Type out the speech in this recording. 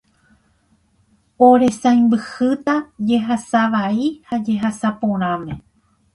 oresãmbyhýta jehasa vai ha jehasa porãme